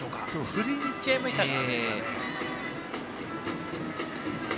振りにいっちゃいましたか。